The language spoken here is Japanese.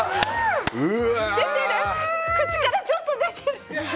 口からちょっと出てる。